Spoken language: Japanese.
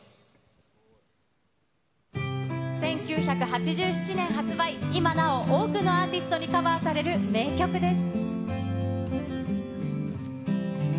１９８８年発売、今なお多くのアーティストにカバーされる名曲です。